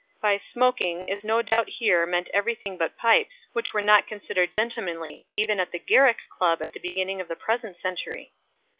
By "smoking" is no doubt here meant everything but pipes, which were not considered gentlemanly even at the Garrick Club at the beginning of the present century.